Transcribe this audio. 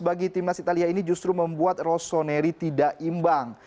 bagi timnas italia ini justru membuat rossoneri tidak imbang